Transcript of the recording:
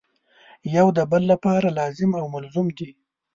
یو د بل لپاره لازم او ملزوم دي.